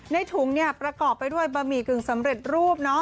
ถุงเนี่ยประกอบไปด้วยบะหมี่กึ่งสำเร็จรูป